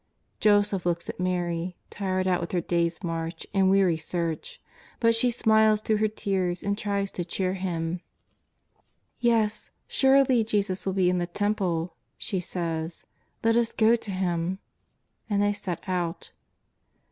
Joseph looks at Mary, tired out with her day's march and weary search, but she smiles through her tears and tries to cheer him. " Yes, surely, Jesus will be in the Temple,'' she says, ^' let us go to Him." And they set out.